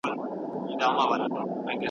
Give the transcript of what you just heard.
په لاس لیکلنه د ستړیا سره د مبارزې تمرین دی.